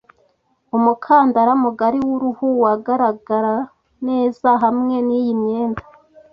Umukandara mugari w'uruhu wagaragara neza hamwe niyi myenda.